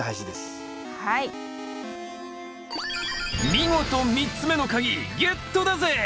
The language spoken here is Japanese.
見事３つ目の鍵ゲットだぜ！